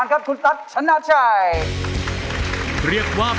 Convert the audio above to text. ช่วยฝังดินหรือกว่า